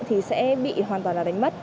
thì sẽ bị hoàn toàn là đánh mất